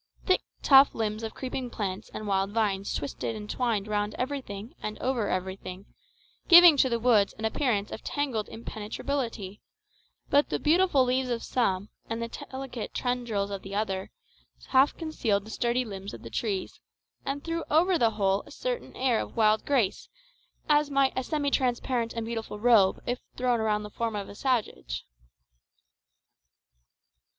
Thick tough limbs of creeping plants and wild vines twisted and twined round everything and over everything, giving to the woods an appearance of tangled impenetrability; but the beautiful leaves of some, and the delicate tendrils of others, half concealed the sturdy limbs of the trees, and threw over the whole a certain air of wild grace, as might a semi transparent and beautiful robe if thrown around the form of a savage.